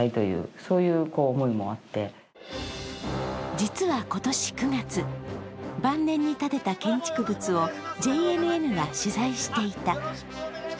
実は今年９月、晩年に建てた建築物をＪＮＮが取材していた。